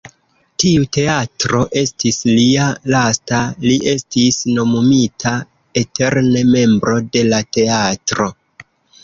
Tiu teatro estis lia lasta, li estis nomumita "eterne membro de la teatro".